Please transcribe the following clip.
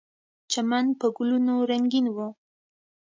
چمن په ګلونو رنګین و.